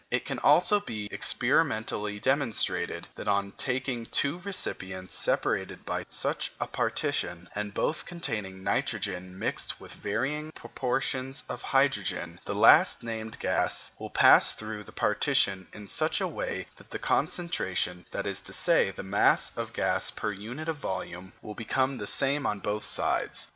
It can also be experimentally demonstrated that on taking two recipients separated by such a partition, and both containing nitrogen mixed with varying proportions of hydrogen, the last named gas will pass through the partition in such a way that the concentration that is to say, the mass of gas per unit of volume will become the same on both sides.